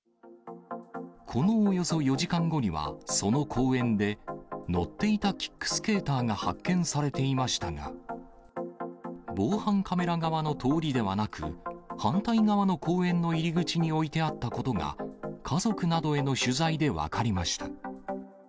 このおよそ４時間後には、その公園で、乗っていたキックスケーターが発見されていましたが、防犯カメラ側の通りではなく、反対側の公園の入り口に置いてあったことが、家族などへの取材で分かりました。